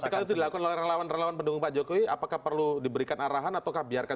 tapi kalau itu dilakukan oleh relawan relawan pendukung pak jokowi apakah perlu diberikan arahan ataukah biarkan